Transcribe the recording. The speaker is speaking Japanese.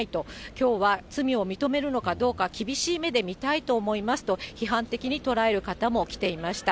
きょうは罪を認めるのかどうか、厳しい目で見たいと思いますと批判的に捉える方も来ていました。